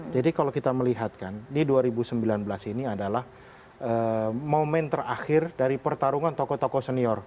jadi kalau kita melihatkan di dua ribu sembilan belas ini adalah momen terakhir dari pertarungan tokoh tokoh senior